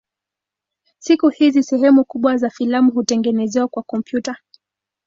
Siku hizi sehemu kubwa za filamu hutengenezwa kwa kompyuta.